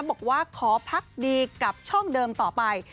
บอกว่าขอพักดีกับช่องเดิมต่อไป